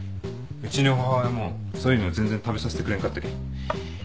うちの母親もそういうの全然食べさせてくれんかったけん。